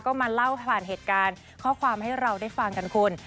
ก็มาเล่าผ่านเหตุการณ์ข้อความให้เราได้ฟังกันคุณ